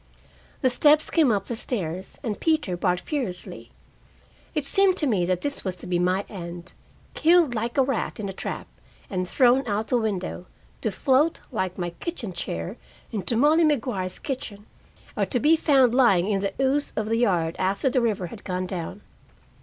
The steps came up the stairs, and Peter barked furiously. It seemed to me that this was to be my end, killed like a rat in a trap and thrown out the window, to float, like my kitchen chair, into Mollie Maguire's kitchen, or to be found lying in the ooze of the yard after the river had gone down.